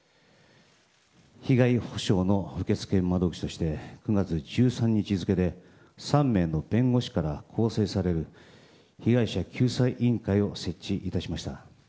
被害補償の受け付け窓口として９月１３日付で３名の弁護士から構成される被害者救済委員会を設置いたしました。